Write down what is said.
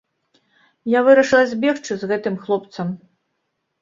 Я вырашыла збегчы з гэтым хлопцам.